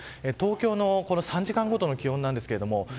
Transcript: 東京の３時間ごとの気温です。